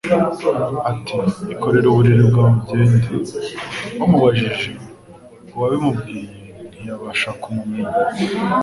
ati: ikorere uburiri bwawe ugende». Bamubajije uwabimubwiye ntiyabasha kumumenya.